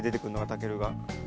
たけるが。